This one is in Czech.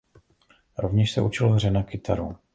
Rovněž se učil hře na kytaru.